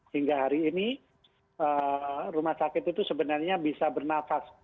hingga hari ini rumah sakit itu sebenarnya bisa bernafas